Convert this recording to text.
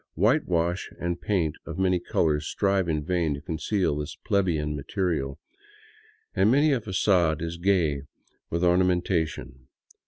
Whitewash and paint of many colors strive in vain to conceal this plebeian material, and many a fagade is gay with orna mentation.